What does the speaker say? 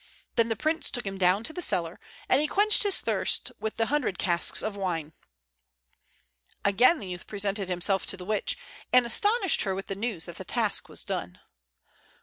Then the prince took him down to the cellar, and he quenched his thirst with the hundred casks of wine. Again the youth presented himself to the witch, and astonished her with the news that the task was done.